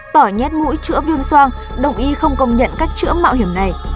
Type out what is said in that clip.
tỏi nhét mũi chữa viêm soan đồng ý không công nhận cách chữa mạo hiểm này